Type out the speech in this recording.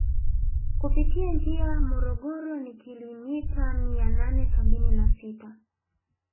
Kupitia njia Morogoro ni kilimita Mia nane Sabini na Sita